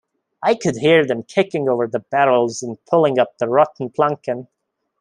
I could hear them kicking over the barrels and pulling up the rotten planking.